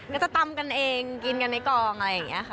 ก็จะตำกันเองกินกันในกองอะไรอย่างนี้ค่ะ